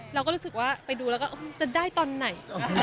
เราก็รู้สึกว่าไปดูแล้วก็จะได้ตอนไหน